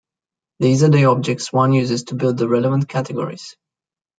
These are the objects one uses to build the relevant categories.